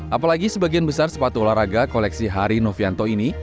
apalagi sebagian besar sepatu olahraga koleksi hari novianto ini